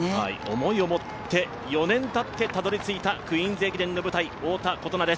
思いを持って４年たってたどり着いたクイーンズ駅伝の舞台、太田琴菜です。